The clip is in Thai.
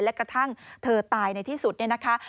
และกระทั่งเธอตายในที่สุดเนี่ยนะคะ